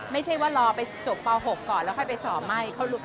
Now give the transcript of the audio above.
ไม่ใช่ว่ารอไปจบป๖ก่อนแล้วค่อยไปสอบใหม่